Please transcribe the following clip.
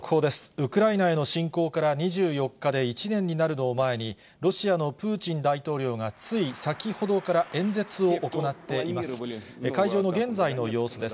ウクライナへの侵攻から２４日で１年になるのを前に、ロシアのプーチン大統領がつい先ほどから演説を行っています。